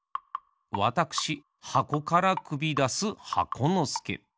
わたくしはこからくびだす箱のすけ。